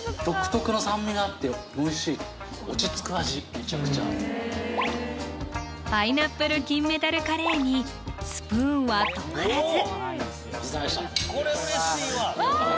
めちゃくちゃパイナップル金メダルカレーにスプーンは止まらずわ！